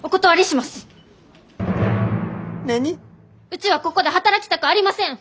うちはここで働きたくありません！